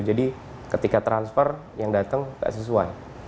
jadi ketika transfer yang datang nggak sesuai